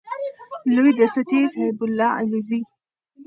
لوی درستیز هیبت الله علیزی